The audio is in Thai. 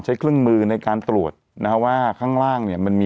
ใช้เครื่องมือในการตรวจ